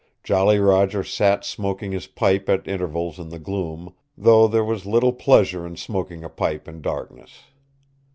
Jolly Roger sat smoking his pipe at intervals in the gloom, though there was little pleasure in smoking a pipe in darkness.